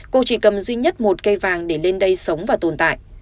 cô chỉ cầm duy nhất một cây vàng để lên đây sống và tồn tại